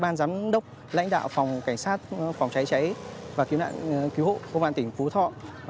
ban giám đốc lãnh đạo phòng cảnh sát phòng cháy cháy và cứu nạn cứu hộ công an tỉnh phú thọ